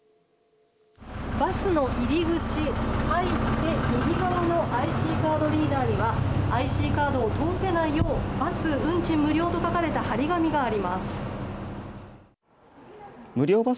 バスの入り口、入って右側のＩＣカードリーダーにはＩＣカードを通せないようバス運賃無料と書かれた張り紙があります。